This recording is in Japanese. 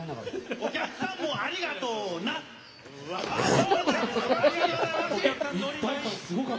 お客さんも、ありがとうなっ！